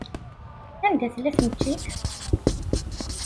Anda tella tneččit?